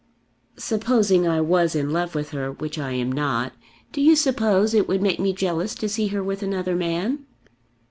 "Supposing I was in love with her, which I am not, do you suppose it would make me jealous to see her with another man?"